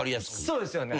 そうですよね。